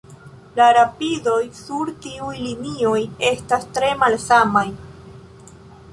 La rapidoj sur tiuj linioj estas tre malsamaj.